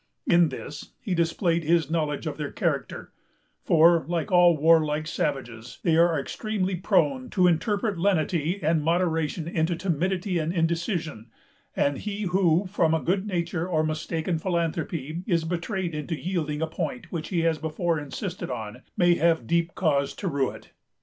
In this, he displayed his knowledge of their character; for, like all warlike savages, they are extremely prone to interpret lenity and moderation into timidity and indecision; and he who, from good nature or mistaken philanthropy, is betrayed into yielding a point which he has before insisted on, may have deep cause to rue it.